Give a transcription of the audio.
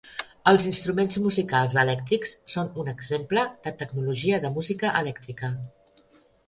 Els instruments musicals elèctrics són un exemple de tecnologia de música elèctrica.